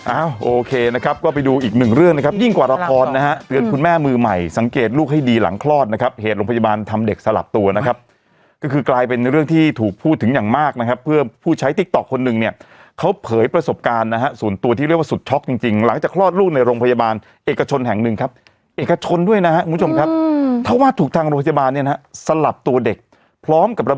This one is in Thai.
อ้าวโอเคนะครับก็ไปดูอีกหนึ่งเรื่องนะครับยิ่งกว่าระครนะฮะเตือนคุณแม่มือใหม่สังเกตลูกให้ดีหลังคลอดนะครับเหตุโรงพยาบาลทำเด็กสลับตัวนะครับก็คือกลายเป็นเรื่องที่ถูกพูดถึงอย่างมากนะครับเพื่อผู้ใช้ติ๊กต๊อกคนหนึ่งเนี่ยเขาเผยประสบการณ์นะฮะส่วนตัวที่เรียกว่าสุดช็อกจริงจริงหลังจากคล